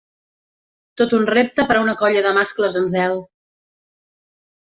Tot un repte per a una colla de mascles en zel.